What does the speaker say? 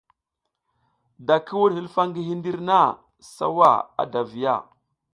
Da ki wuɗ hilfa ngi hindir na, sawa ada a viya.